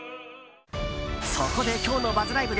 そこで今日のＢＵＺＺＬＩＶＥ！